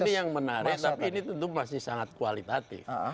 ini yang menarik tapi ini tentu masih sangat kualitatif